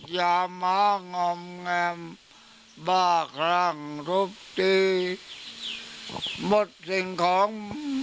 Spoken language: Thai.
อย่ามางอมแงมบ้าครั่งทุบตีหมดสิ่งของ